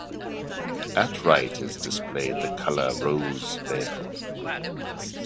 At right is displayed the color rose vale.